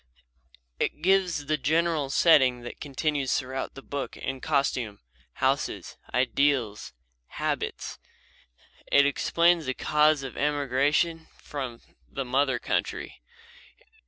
It gives the general setting that continues throughout the book in costume, houses, ideals, habits. It explains the cause of the emigration from the mother country.